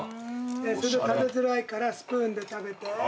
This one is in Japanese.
それ食べづらいからスプーンで食べて。